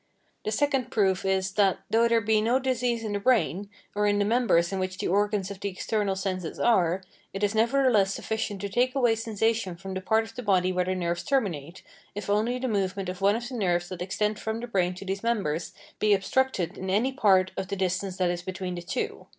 The second proof is, that though there be no disease in the brain, [or in the members in which the organs of the external senses are], it is nevertheless sufficient to take away sensation from the part of the body where the nerves terminate, if only the movement of one of the nerves that extend from the brain to these members be obstructed in any part of the distance that is between the two.